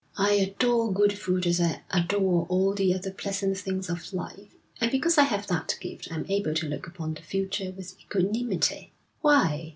'I adore good food as I adore all the other pleasant things of life, and because I have that gift I am able to look upon the future with equanimity.' 'Why?'